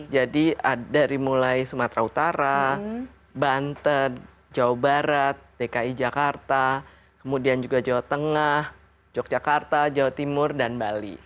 jadi ada dari mulai sumatera utara banten jawa barat dki jakarta kemudian juga jawa tengah yogyakarta jawa timur dan bali